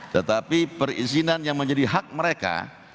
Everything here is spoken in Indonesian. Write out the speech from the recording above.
tetapi perizinan yang menjadi hak mereka